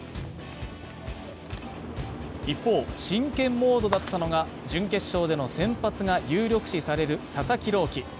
一方、真剣モードだったのが準決勝での先発が有力視される佐々木朗希。